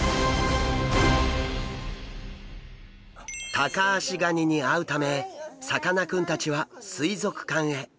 タカアシガニに会うためさかなクンたちは水族館へ。